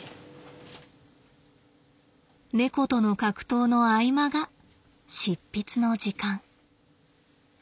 猫との格闘の合間が執筆の時間。